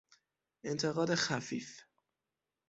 انتقاد خفیف